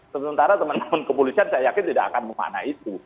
sementara teman teman kepolisian saya yakin tidak akan memakna itu